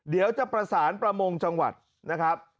เดี๋ยวจะประสานประมงจังหวัดนะครับ